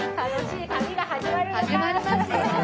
始まりますよ！